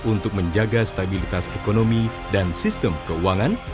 untuk menjaga stabilitas ekonomi dan sistem keuangan